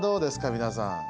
皆さん。